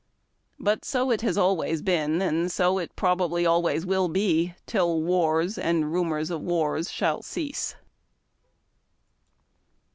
But so it always has been, and so it probably always will be, till wars and rumors of wars shall cease.